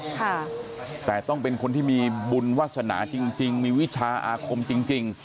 ค่ะแต่ต้องเป็นคนที่มีบุญวาสนาจริงจริงมีวิชาอาคมจริงจริง